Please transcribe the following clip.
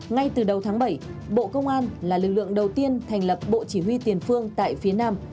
ngay từ đầu tháng bảy bộ công an là lực lượng đầu tiên thành lập bộ chỉ huy tiền phương tại phía nam